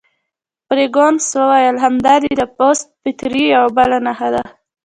فرګوسن وویل: همدا دي د پست فطرتۍ یوه بله نښه ده.